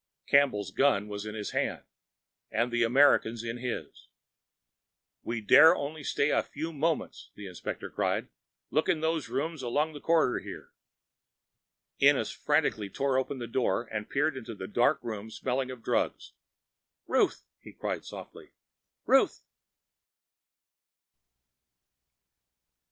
Campbell's gun was in his hand, and the American's in his. "We dare only stay here a few moments," the inspector cried. "Look in those rooms along the corridor here." Ennis frantically tore open a door and peered into a dark room smelling of drugs. "Ruth!" he cried softly. "Ruth!"